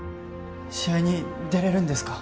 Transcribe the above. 試合に出れるんですか？